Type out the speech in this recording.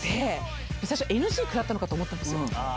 最初ＮＧ食らったのかと思ったんですよ。